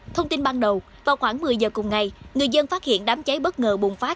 thông tin ban đầu vào khoảng một mươi giờ cùng ngày người dân phát hiện đám cháy bất ngờ bùng phát